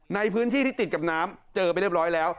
ในพื้นที่ที่ติดกับน้ำเจอไปเรียบร้อยแล้ว